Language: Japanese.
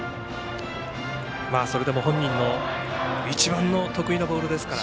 それでも本人の一番の得意のボールですから。